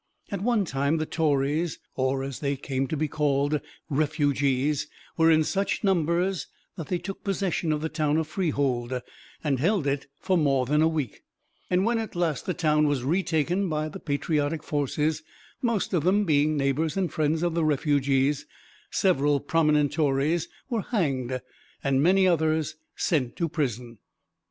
At one time the Tories, or, as they came to be called, "refugees," were in such numbers that they took possession of the town of Freehold, and held it for more than a week; and when at last the town was retaken by the patriotic forces, most of them being neighbors and friends of the refugees, several prominent Tories were hanged, and many others sent to prison.